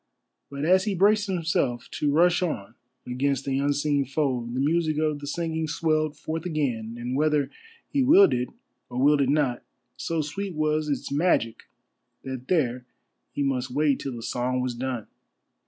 But as he braced himself to rush on against the unseen foe the music of the singing swelled forth again, and whether he willed it or willed it not, so sweet was its magic that there he must wait till the song was done.